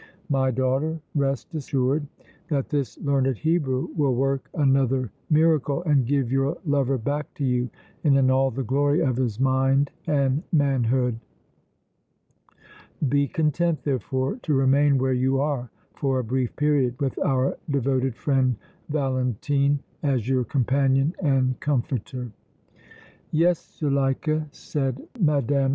My daughter, rest assumed that this learned Hebrew will work another miracle and give your lover back to you and in all the glory of his mind and manhood! Be content, therefore, to remain where you are for a brief period, with our devoted friend Valentine as your companion and comforter." "Yes, Zuleika," said Mme.